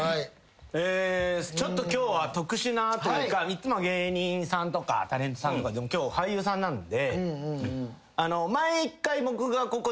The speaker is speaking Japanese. ちょっと今日は特殊なというかいつも芸人さんとかタレントさんとかでも今日俳優さんなんで。